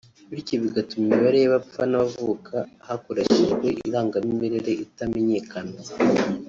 bityo bigatuma imibare y’abapfa n’abavuka hakoreshejwe irangamimerere itamenyekana